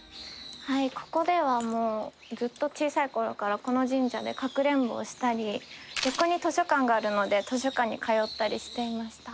ここではもうずっと小さい頃からこの神社でかくれんぼをしたり横に図書館があるので図書館に通ったりしていました。